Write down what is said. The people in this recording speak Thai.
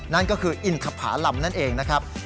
นั่นก็คืออินทภาลำนั่นเองนะครับ